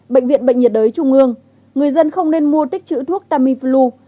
bệnh viện bệnh nhiệt đới trung ương người dân không nên mua tích chữ thuốc tamiflu